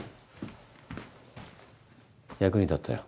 役に立ったよ。